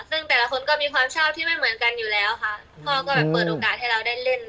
ซึ่งแต่ละคนก็มีความชอบที่ไม่เหมือนกันอยู่แล้วค่ะพ่อก็แบบเปิดโอกาสให้เราได้เล่น